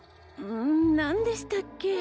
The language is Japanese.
うん何でしたっけ？